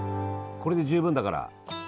これで十分だから。